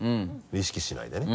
意識しないでね。